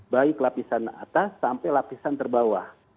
baik lapisan atas sampai lapisan terbawah